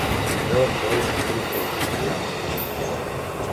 Ми треба човек што има моќни пријатели.